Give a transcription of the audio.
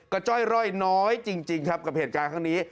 จ้อยร่อยน้อยจริงครับกับเหตุการณ์ข้างนี้